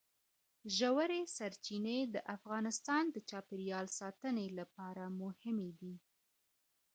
ژورې سرچینې د افغانستان د چاپیریال ساتنې لپاره مهمي دي.